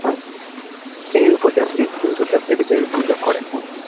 এই উপজাতি হিন্দু দেবদেবীদের পূজা করে।